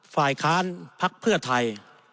ฝ่ายค้านพักเพื่อไทย